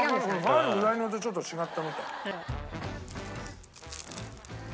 入る具材によってちょっと違ったみたい。